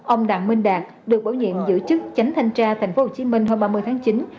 ông đặng minh đạt được bổ nhiệm giữ chức tránh thanh tra tp hcm hôm ba mươi tháng chín